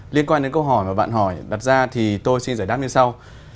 liên quan đến câu hỏi mà bạn hỏi đặt ra thì tôi xin giải đáp như sau